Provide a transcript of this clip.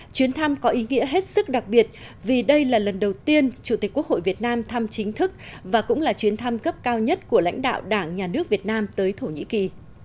chuyến thăm có ý nghĩa hết sức đặc biệt vì đây là lần đầu tiên chủ tịch quốc hội việt nam thăm chính thức và cũng là chuyến thăm cấp cao nhất của lãnh đạo đảng nhà nước việt nam tới thổ nhĩ kỳ